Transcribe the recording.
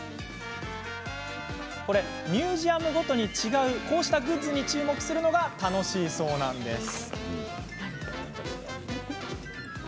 ミュージアムごとに違うこうしたグッズに注目するのが楽しいそうなんです。